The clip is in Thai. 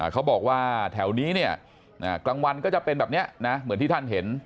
เขาบอกว่าแถวนี้เนี่ยกลางวันก็จะเป็นแบบนี้นะเหมือนที่ท่านเห็น